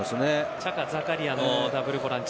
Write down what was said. チャカ、ザカリアのダブルボランチ。